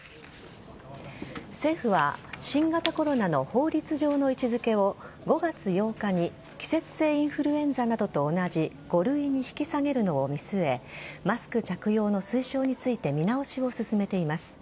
政府は、新型コロナの法律上の位置付けを５月８日に季節性インフルエンザなどと同じ５類に引き下げるのを見据えマスク着用の推奨について見直しを進めています。